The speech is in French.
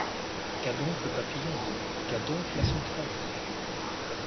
Qu’a donc le papillon? qu’a donc la sauterelle ?